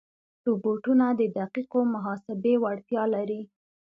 روبوټونه د دقیقو محاسبې وړتیا لري.